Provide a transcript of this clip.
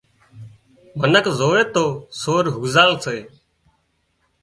منک زووي تو سور هوزال سي